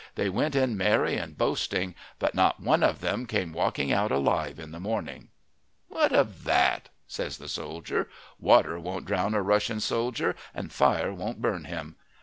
They went in merry and boasting, but not one of them came walking out alive in the morning." "What of that?" says the soldier. "Water won't drown a Russian soldier, and fire won't burn him.